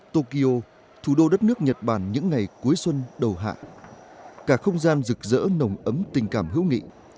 tokyo thủ đô đất nước nhật bản những ngày cuối xuân đầu hạ cả không gian rực rỡ nồng ấm tình cảm hữu nghị